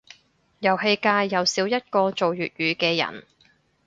遊戲界又少一個做粵語嘅人